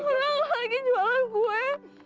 orang lagi jualan kue